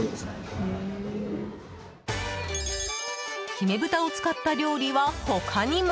姫豚を使った料理は、他にも。